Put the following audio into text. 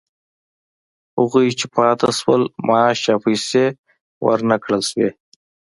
هغوی چې پاتې شول معاش یا پیسې ورنه کړل شوې